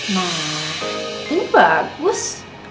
nah ini bagus